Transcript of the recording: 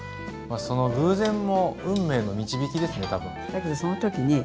その偶然も運命の導きですね多分。